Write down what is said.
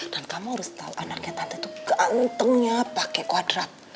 dan kamu harus tau anaknya tante tuh gantengnya pakai kwadrat